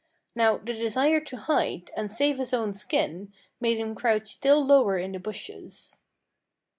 Now the desire to hide, and save his own skin, made him crouch still lower in the bushes.